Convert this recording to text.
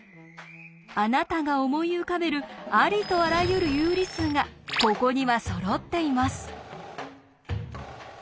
あなたが思い浮かべるありとあらゆる有理数がここにはそろっています。